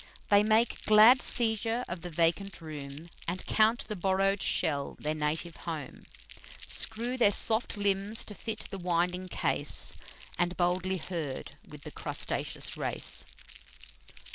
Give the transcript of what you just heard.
They make glad seizure of the vacant room, And count the borrow'd shell their native home; Screw their soft limbs to fit the winding case, And boldly herd with the crustaceous race.